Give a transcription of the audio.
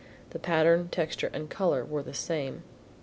The pattern, texture and color were the same.